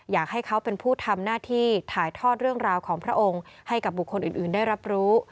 อยากให้เขาเป็นผู้ทำหน้าที่ถ่ายทอดเรื่องราวของพระองค์ให้กับบุคคลอื่นได้รับรู้